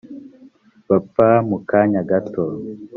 bapfa mu kanya gato